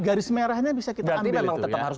garis merahnya bisa kita ambil memang tetap harus